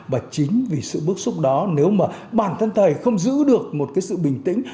và chính vì sự bức xúc đó nếu mà bản thân thầy không giữ được một cái sự bình tĩnh